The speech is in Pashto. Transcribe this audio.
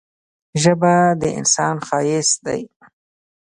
ژبه د انسان ښايست دی.